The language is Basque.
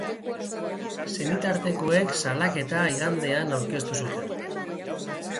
Senitartekoek salaketa igandean aurkeztu zuten.